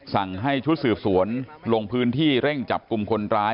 สั่งให้ชุดสืบสวนลงพื้นที่เร่งจับกลุ่มคนร้าย